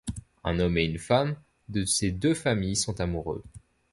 Un homme et une femme de ces deux familles sont amoureux.